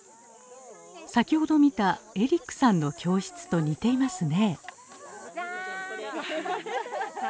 先ほど見たエリックさんの教室と似ていますね